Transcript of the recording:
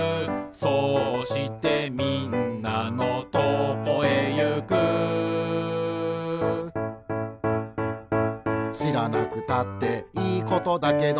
「そうしてみんなのとこへゆく」「しらなくたっていいことだけど」